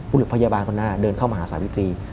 หรือพยาบาลคนหน้าเดินเข้ามาหาสาวิตรี